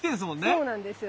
そうなんです。